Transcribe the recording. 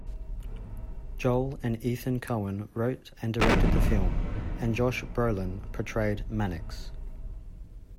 Joel and Ethan Coen wrote and directed the film, and Josh Brolin portrayed Mannix.